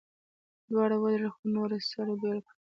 دواړه ودرېدل، خو نورو سره بېل کړل.